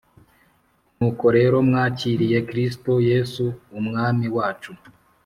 Nuko rero mwakiriye Kristo Yesu Umwami wacu